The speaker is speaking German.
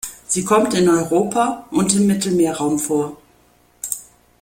Sie kommt in Europa und im Mittelmeerraum vor.